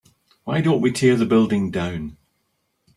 why don't we tear the building down?